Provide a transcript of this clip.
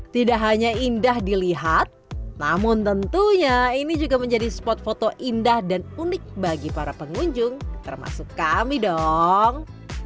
tidak hanya indah dilihat namun tentunya ini juga menjadi spot foto indah dan unik bagi para pengunjung termasuk kami dong